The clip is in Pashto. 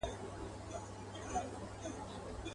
له سدیو تښتېدلی چوروندک دی.